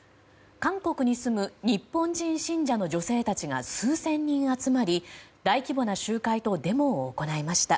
韓国に住む日本人信者の女性たちが数千人集まり大規模な集会とデモを行いました。